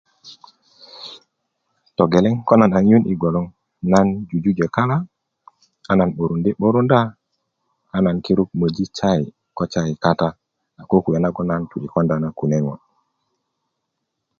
togeleŋ ko nan a nyu' ŋiyun yi gboloŋ na jujujö kalá a nan 'burundi' 'burunda a nan kiruŋ möji sayi ko sayi kata a kokuwe nagon nan tirini konda na kune' ŋo'